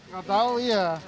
nggak tahu ya